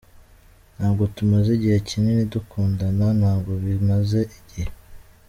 Ntabwo tumaze igihe kinini dukundana, ntabwo bimaze igihe.